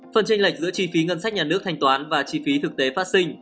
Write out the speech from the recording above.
phần tranh lệch giữa chi phí ngân sách nhà nước thanh toán và chi phí thực tế phát sinh